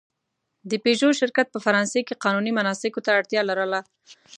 د پيژو شرکت په فرانسې کې قانوني مناسکو ته اړتیا لرله.